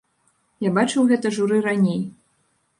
Я бачыў гэта журы раней.